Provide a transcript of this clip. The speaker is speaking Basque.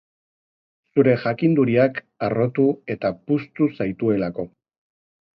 Zure jakinduriak harrotu eta puztu zaituelako.